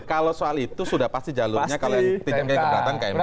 kalau soal itu sudah pasti jalurnya kalau yang tinggalkan keberatan ke mk pak